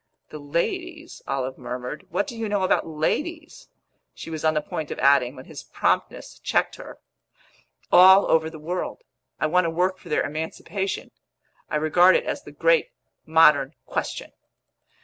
"The ladies?" Olive murmured. "What do you know about ladies?" she was on the point of adding, when his promptness checked her. "All over the world. I want to work for their emancipation. I regard it as the great modern question."